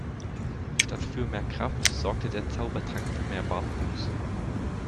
Statt für mehr Kraft sorgte der Zaubertrank für mehr Bartwuchs.